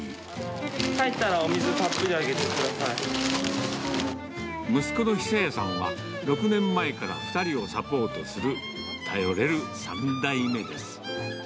帰ったら、息子の久弥さんは、６年前から２人をサポートする頼れる３代目です。